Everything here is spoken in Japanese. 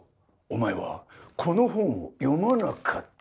お前はこの本を読まなかった。